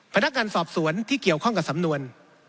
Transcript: พนักงานสอบสวนที่เกี่ยวข้องกับสำนวน